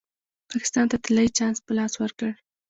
پاکستان ته طلايي چانس په لاس ورکړ.